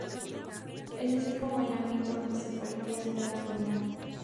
Es así como el ámbito de donde se partía se transformó.